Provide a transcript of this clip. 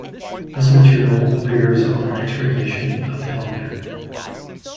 This material appears on an extra edition of "Helder".